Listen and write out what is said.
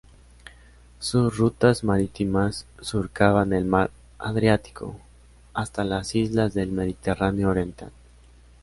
Sus rutas marítimas surcaban el mar Adriático hasta las islas del Mediterráneo Oriental.